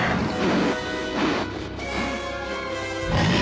え？